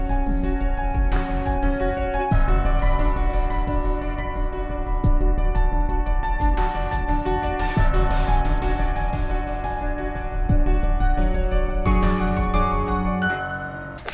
ini sudah selesai